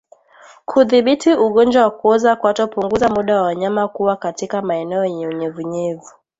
Kudhibiti ugonjwa wa kuoza kwato punguza muda wa wanyama kuwa katika maeneo yenye unyevunyevu